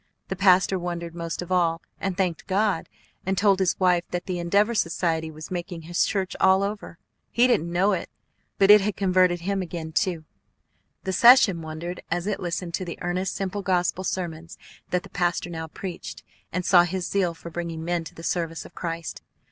The pastor wondered most of all, and thanked God, and told his wife that that Endeavor Society was making his church all over. He didn't know but it had converted him again, too. The session wondered as it listened to the earnest, simple gospel sermons that the pastor now preached, and saw his zeal for bringing men to the service of Christ.